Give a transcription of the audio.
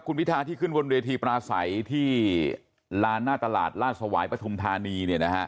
คุณพิทาที่ขึ้นบนเวทีปลาใสที่ลานหน้าตลาดลาดสวายปฐุมธานี